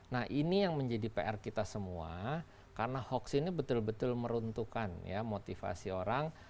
nah ini yang menjadi pr kita semua karena hoax ini betul betul meruntuhkan ya motivasi orang